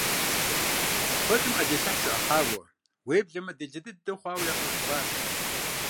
Куэдым ӏэлисахь зэӏыхьауэ, уеблэмэ делэ дыдэ хъуауэ ягъэхъыбарырт.